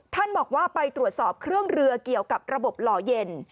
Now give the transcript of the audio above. ท่านบอกว่าไปตรวจสอบเครื่องเรือเกี่ยวกับระบบหล่อเย็น